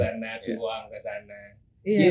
jadi kita bawa kesana buang kesana